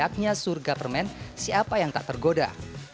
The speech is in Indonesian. artinya surga permen siapa yang tak tergoda